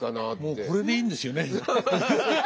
もうこれでいいんですよね。